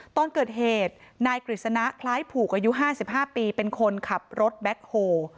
ตอนเกิดเหตุนายกฤษณะคล้ายผูกอายุ๕๕ปีเป็นคนขับรถแบ็คโฮ